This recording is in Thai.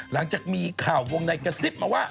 หลังจากมีข่าววงในกระซิบมาว่า